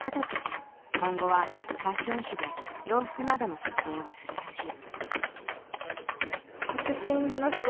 今後はファッション誌で洋服などの撮影をするらしい。